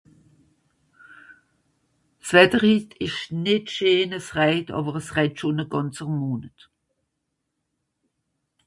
S'Wetter hitt ìsch nìt scheen, es räjt, àwer es räjt schùn e gànzer Monet.